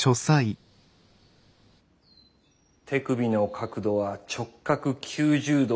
手首の角度は直角９０°を保つ。